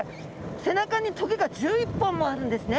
背中に棘が１１本もあるんですね。